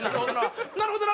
「なるほどな」。